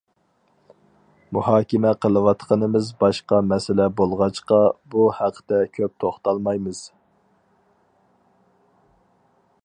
مۇھاكىمە قىلىۋاتقىنىمىز باشقا مەسىلە بولغاچقا، بۇ ھەقتە كۆپ توختالمايمىز.